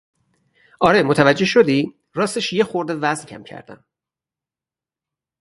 آره متوجه شدی؟ راستش یک خورده وزن کم کردهام.